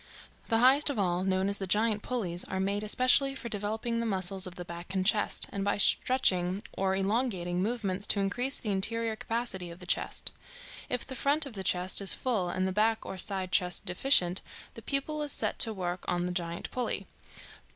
The highest of all, known as the giant pulleys, are made especially for developing the muscles of the back and chest, and by stretching or elongating movements to increase the interior capacity of the chest. If the front of the chest is full and the back or side chest deficient, the pupil is set to work on the giant pulley.